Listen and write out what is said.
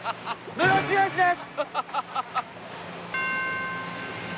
ムロツヨシです。